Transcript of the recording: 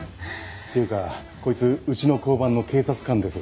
っていうかこいつうちの交番の警察官です。